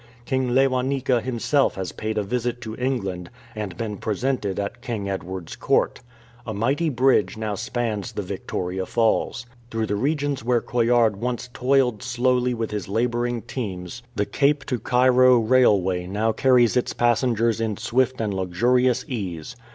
King Lewanika himself has paid a visit to England and been presented at King Edward''s Court. A mighty bridge now spans the Victoria Falls. Through the regions where Coillard once toiled slowly with his labouring teams the Cape to 157 COMING OF THE IRON HORSE Cairo railway now carries its passengers in swift and luxurious ease.